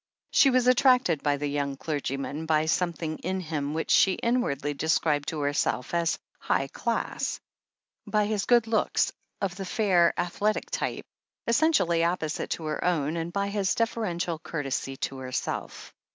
She was attracted by the young clergyman, by some thing in him which she inwardly described to herself as "high class," by his good looks, of the fair, athletic type, essentially opposite to her own, and by his defer ential courtesy to herself.